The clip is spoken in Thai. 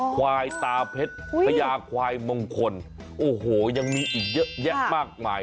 ควายตาเพชรพญาควายมงคลโอ้โหยังมีอีกเยอะแยะมากมาย